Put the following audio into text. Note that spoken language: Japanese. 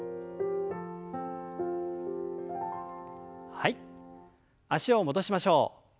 はい脚を戻しましょう。